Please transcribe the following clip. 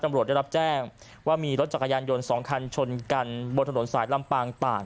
ได้รับแจ้งว่ามีรถจักรยานยนต์๒คันชนกันบนถนนสายลำปางตาก